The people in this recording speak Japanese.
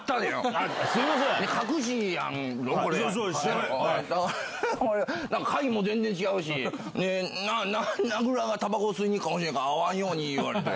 なんか階も全然違うし、名倉がたばこ吸いに行くかもしれんから、会わんようにいわれて。